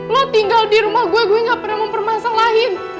lo tinggal di rumah gue gue gak pernah mempermasalahin